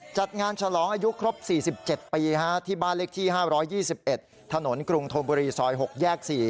จัดงานฉลองอายุครบ๔๗ปีที่บ้านเลขที่๕๒๑ถนนกรุงธนบุรีซอย๖แยก๔